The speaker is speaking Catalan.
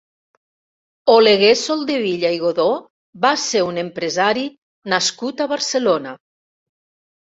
Oleguer Soldevila i Godó va ser un empresari nascut a Barcelona.